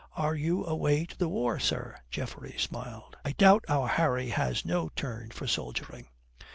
"Are you away to the war, sir?" Geoffrey smiled. "I doubt our Harry has no turn for soldiering."